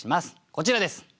こちらです。